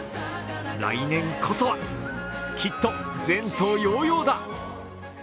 来年こそは、きっと前途洋々だ。